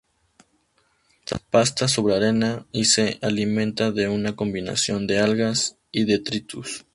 Pasta sobre arena y se alimenta de una combinación de algas y detritus.